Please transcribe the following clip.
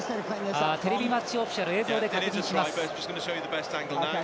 テレビマッチオフィシャル映像で確認します。